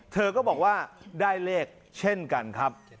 เธอก็บอกว่าได้เลขเช่นกันครับ